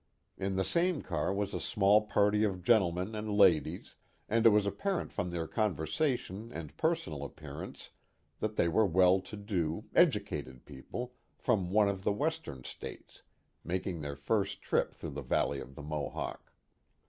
In the same car was a small party of gentlemen and ladies, and it was apparent from their conversation and personal ap pearance that they were well to do, educated people, from one of our Western States, making their first trip through the valley of the Mohawk.